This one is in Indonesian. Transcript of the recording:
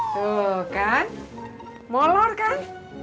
tuh kan molor kan